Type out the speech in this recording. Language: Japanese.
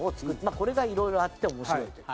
これがいろいろあって面白いという。